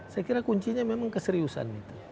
saya kira kuncinya memang keseriusan itu